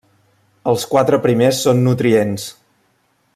Els quatre primers són nutrients.